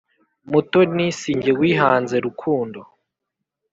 Mutoni sinjye wihanze rukundo